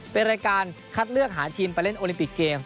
เป็นรายการคัดเลือกหาทีมไปเล่นโอลิมปิกเกมส